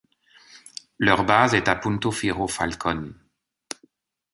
Leur base est à Punto Fijo, Falcón.